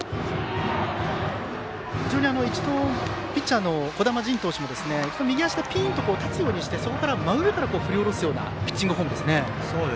ピッチャーの児玉迅投手も右足でピンと立つようにして真上から振り下ろすようなピッチングフォームですね。